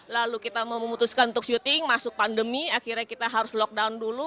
lalu kita mau memutuskan untuk syuting masuk pandemi akhirnya kita harus lockdown dulu